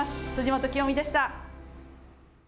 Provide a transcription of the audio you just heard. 辻元清美でした。